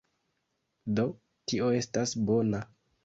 Do, tio estas bona